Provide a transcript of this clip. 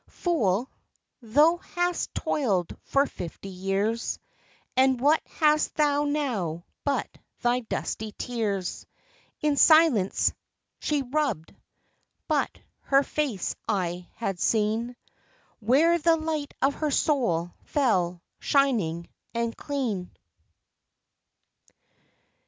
Fool! Thou hast toiled for fifty years And what hast thou now but thy dusty tears? In silence she rubbed... But her face I had seen, Where the light of her soul fell shining and clean.